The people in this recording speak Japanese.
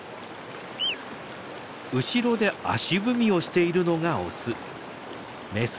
後ろで足踏みをしているのがオス。